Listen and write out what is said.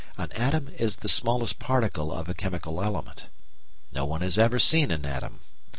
An atom is the smallest particle of a chemical element. No one has ever seen an atom.